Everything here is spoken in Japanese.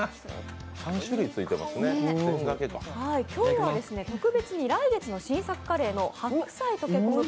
今日は特別に来月の新作カレーの白菜溶け込む